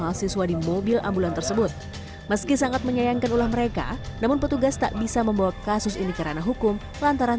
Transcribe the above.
ketika mobil ambulans yang merupakan sarana yang seharusnya digunakan untuk kegiatan kemanusiaan